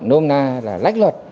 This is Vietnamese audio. nôm na là lách luật